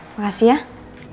terima kasih ya